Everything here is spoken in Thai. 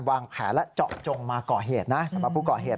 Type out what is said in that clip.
วางแผนและเจาะจงมาก่อเหตุนะสำหรับผู้ก่อเหตุ